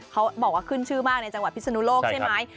เขาบอกว่าขึ้นชื่อมากในจังหวัดพิศนุโลกใช่ไหม